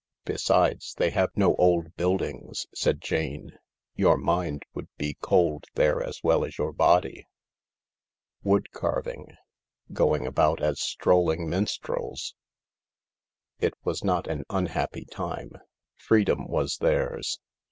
Besides, they have no old buildings," said Jane, " Your mind would be cold there as well as your body "). Wood carving, Going about as strolling minstrels. It was not an unhappy time. Freedom was theirs.